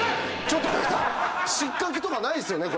ちょっと有田さん失格とかないですよね？